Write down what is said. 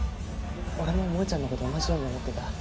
俺も萌ちゃんのこと同じように思ってた。